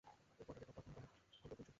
এই কোয়ার্টারের top performing pilot হলো গুঞ্জন!